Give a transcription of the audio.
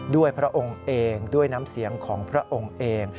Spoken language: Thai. พระองค์เองด้วยน้ำเสียงของพระองค์เอง